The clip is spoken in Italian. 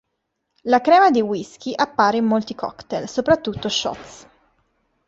La crema di whiskey appare in molti cocktail, soprattutto shots.